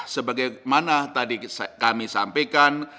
sebagaimana tadi kami sampaikan